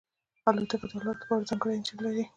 الوتکه د الوت لپاره ځانګړی انجن لري.